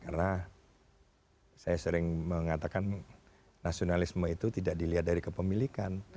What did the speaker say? karena saya sering mengatakan nasionalisme itu tidak dilihat dari kepemilikan